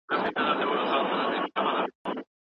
ټولنپوهنه انساني ټولنه او ټولنیز ژوند څېړي.